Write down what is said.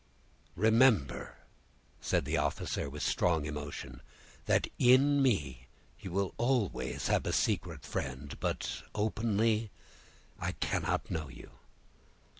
"Remember," said the officer, with strong emotion, "that in me you will always have a secret friend; but openly I cannot know you."